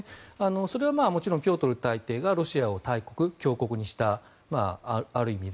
それはもちろんピョートル大帝がロシアを大国、強国にしたある意味